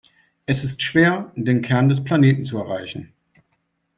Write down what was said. Es ist schwer, den Kern des Planeten zu erreichen.